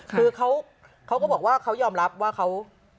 คือเขาก็บอกว่าเขายอมรับว่าเขา